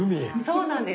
そうなんです。